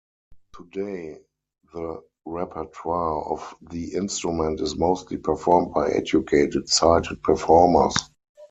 Today, the repertoire of the instrument is mostly performed by educated, sighted performers.